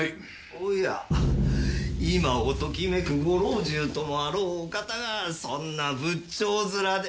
おや今をときめくご老中ともあろうお方がそんな仏頂面で。